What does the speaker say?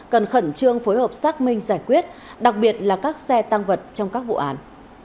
cần khẩn trương phối hợp xác minh giải quyết đặc biệt là các xe tăng vật trong các vụ án